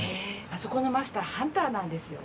あそこのマスターハンターなんですよ。